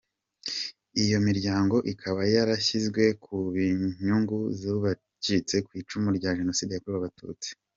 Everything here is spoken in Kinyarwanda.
Iyo miryango ikaba yarashinzwe kubw’ inyungu z’abacitse ku icumu rya Genocide yakorewe abatutsi .